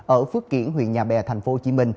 ở phước kiển huyện nhà bè tp hcm